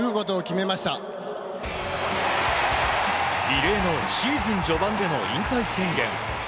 異例のシーズン序盤での引退宣言。